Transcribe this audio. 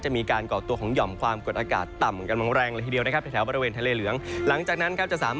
จะมีการกรอบตัวของหย่อมความกดอากาศต่ำกำลังแรงเลยเดียวนะคะ